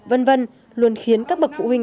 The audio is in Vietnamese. vân vân luôn khiến các bậc phụ huynh